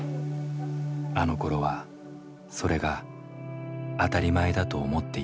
あのころはそれが当たり前だと思っていたが。